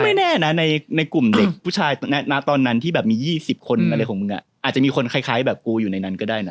ไม่แน่นะในกลุ่มเด็กผู้ชายณตอนนั้นที่แบบมี๒๐คนอะไรของมึงอาจจะมีคนคล้ายแบบกูอยู่ในนั้นก็ได้นะ